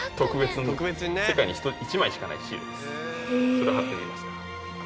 それを貼ってみました。